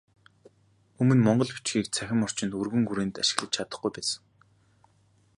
Өмнө монгол бичгийг цахим орчинд өргөн хүрээнд ашиглаж чадахгүй байсан.